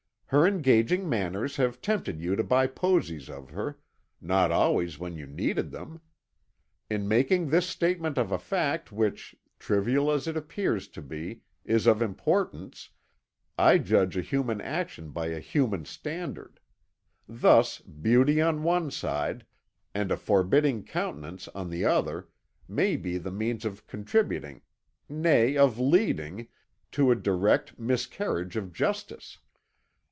Her engaging manners have tempted you to buy posies of her, not always when you needed them. In making this statement of a fact which, trivial as it appears to be, is of importance, I judge a human action by a human standard. Thus, beauty on one side, and a forbidding countenance on the other, may be the means of contributing nay, of leading to a direct miscarriage of justice.